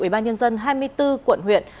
ủy ban nhân dân hai mươi bốn quận huyện